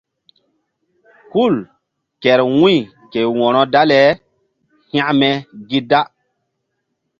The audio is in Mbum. Hul kehr wu̧y ke wo̧ro dale hekme gi da.